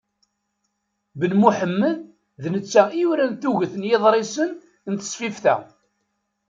Ben Muḥemmed, d netta i yuran tuget n yiḍrisen n tesfift-a.